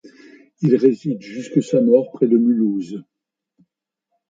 Il réside jusqu'à sa mort près de Mulhouse.